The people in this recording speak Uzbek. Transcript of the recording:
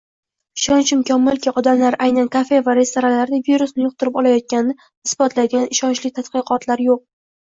Ishonchim komilki, odamlar aynan kafe va restoranlarda virusni yuqtirib olayotganini isbotlaydigan ishonchli tadqiqotlar yoʻq.